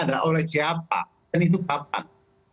adalah oleh siapa dan itu papan